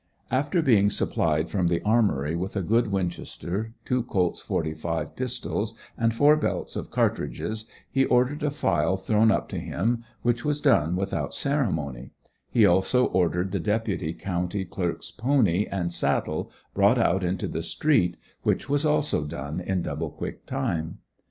After being supplied from the armory with a good winchester, two colts "45" pistols and four belts of cartridges, he ordered a file thrown up to him, which was done without ceremony; he also ordered the deputy County Clerk's pony and saddle brought out into the street, which was also done in double quick time.